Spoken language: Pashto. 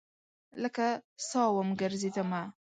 لکه سا وم ګرزیدمه